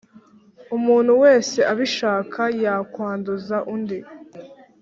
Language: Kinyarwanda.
Umuntu wese abishaka yakwanduza undi